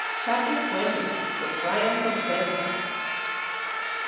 Chapter 20: The Triumph Of Venice.